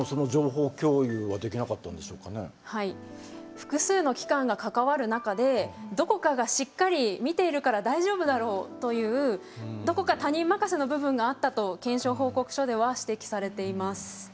複数の機関が関わる中でどこかがしっかり見ているから大丈夫だろうというどこか他人任せの部分があったと検証報告書では指摘されています。